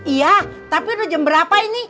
iya tapi udah jam berapa ini